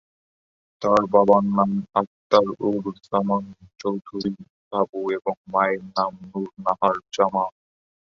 তার বাবার নাম আখতারুজ্জামান চৌধুরী বাবু ও মায়ের নাম নুর নাহার জামান।